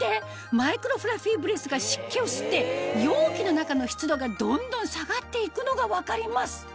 マイクロフラッフィーブレスが湿気を吸って容器の中の湿度がどんどん下がっていくのが分かります